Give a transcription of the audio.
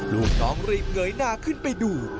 ลูกน้องรีบเงยหน้าขึ้นไปดู